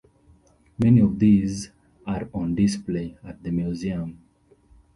Many of these are on display at the museum.